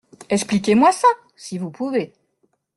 Expliquez-moi ça ! si vous pouvez.